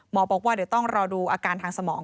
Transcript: บอกว่าเดี๋ยวต้องรอดูอาการทางสมอง